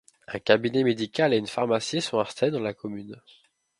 Un cabinet médical et une pharmacie sont installés dans la commune.